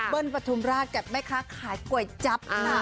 เบิ้ลปฐุมราชกับแม่ค้าขายก๋วยจั๊บนะ